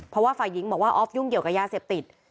เพราะว่าฝ่ายหญิงบอกว่าออฟยุ่งเกี่ยวกับยาเสพติด